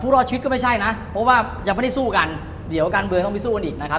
ผู้รอชิดก็ไม่ใช่นะเพราะว่าอย่างพ้นที่สู้กันเดี๋ยวกันเบอร์ต้องไปสู้กันอีกนะครับ